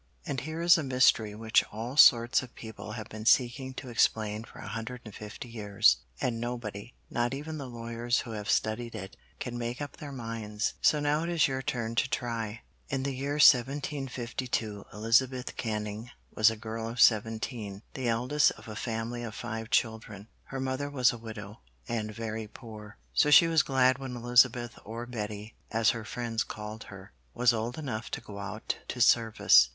And here is a mystery which all sorts of people have been seeking to explain for a hundred and fifty years, and nobody, not even the lawyers who have studied it, can make up their minds. So now it is your turn to try. In the year 1752 Elizabeth Canning was a girl of seventeen, the eldest of a family of five children. Her mother was a widow and very poor, so she was glad when Elizabeth or Betty, as her friends called her, was old enough to go out to service.